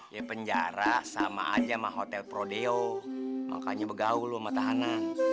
ya penjara sama aja sama hotel prodeo makanya bergaul sama tahanan